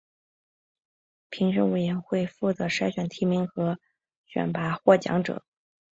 评审委员会负责筛选提名和选拔获奖者。